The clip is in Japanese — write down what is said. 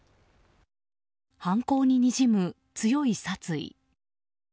犯行ににじむ強い殺意。